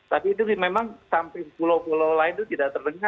tapi itu memang sampai pulau pulau lain itu tidak terdengar